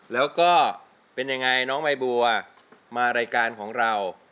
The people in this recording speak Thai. แล้วก็เป็นยังไงน้องใบบัวมารายการของเรา